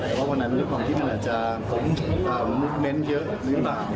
เพราะวันนั้นเรื่องของที่มันอาจจะเมสเยอะหรือเปล่า